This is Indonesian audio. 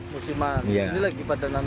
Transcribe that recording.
musiman ini lagi pada enam